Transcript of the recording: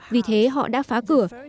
vì thế họ đã phá cửa